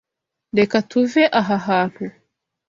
Reka tuve aha hantu.